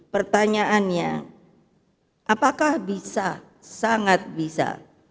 pertanyaannya apakah bisa sangat bisa